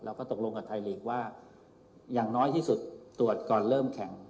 ตกลงกับไทยลีกว่าอย่างน้อยที่สุดตรวจก่อนเริ่มแข็ง